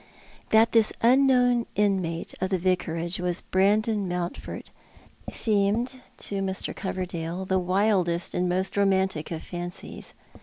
That this unknown inmate of the Yicarage was Brandon Mountford seemed to I^Ir. Coverdale the wildest and most romantic of fancies.